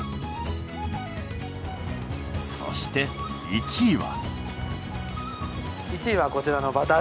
そして１位は？